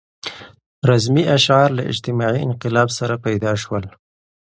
رزمي اشعار له اجتماعي انقلاب سره پیدا شول.